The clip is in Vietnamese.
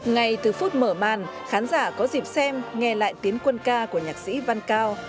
ngay từ phút mở màn khán giả có dịp xem nghe lại tiến quân ca của nhạc sĩ văn cao